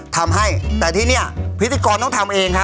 พร้อมไหมคะพี่พร้อมไหมคะ